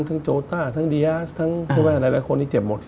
ทั้งโจต้าทั้งเดียสทั้งพวกแม่หลายคนที่เจ็บหมด